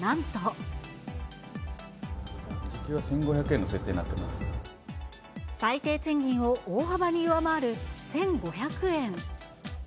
時給は１５００円の設定にな最低賃金を大幅に上回る１５００円。